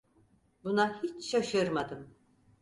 Buna hiç şaşırmadım.